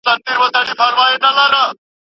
د دولت مصارف باید سمې وي.